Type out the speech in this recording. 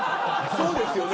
そうですね。